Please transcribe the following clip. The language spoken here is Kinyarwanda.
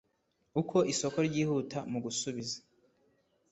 uko isoko ryihuta mu gusubiza